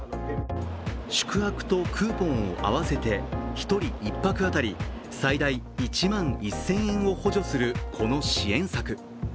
宿泊とクーポンを合わせて１人１泊当たり最大１万１０００円を補助するこの支援策。